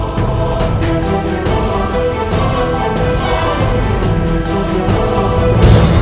untuk menjaga keamanan